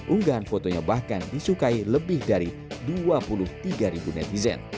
unggahan fotonya bahkan disukai lebih dari dua puluh tiga ribu netizen